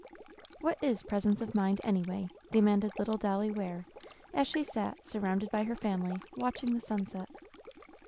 "What is presence of mind, any way?" demanded little Dolly Ware, as she sat, surrounded by her family, watching the sunset.